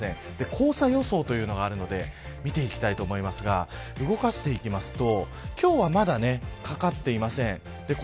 黄砂予想というのがあるので見ていきたいと思うんですが動かしていきますと今日は、まだかかっていません。